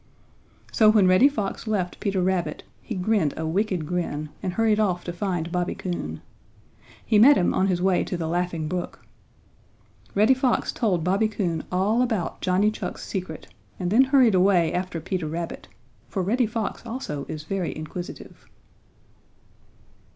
So when Reddy Fox left Peter Rabbit he grinned a wicked grin and hurried off to find Bobby Coon. He met him on his way to the Laughing Brook. Reddy Fox told Bobby Coon all about Johnny Chuck's secret and then hurried away after Peter Rabbit, for Reddy Fox also is very inquisitive.